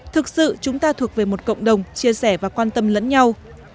thực sự chúng ta thuộc về một cộng đồng chia sẻ và quan tâm lẫn nhau